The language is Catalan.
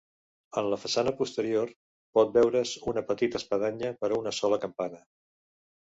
En la façana posterior pot veure's una petita espadanya per a una sola campana.